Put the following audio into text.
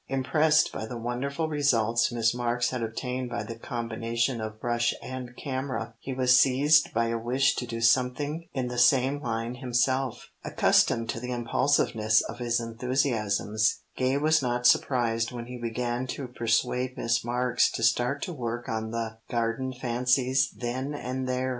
Impressed by the wonderful results Miss Marks had obtained by the combination of brush and camera, he was seized by a wish to do something in the same line himself. Accustomed to the impulsiveness of his enthusiasms, Gay was not surprised when he began to persuade Miss Marks to start to work on the Garden Fancies then and there.